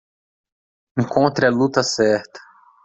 Encontre a luta certa